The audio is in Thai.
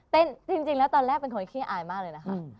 จริงแล้วตอนแรกเป็นคนขี้อายมากเลยนะคะ